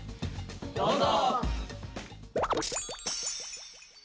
どうぞ！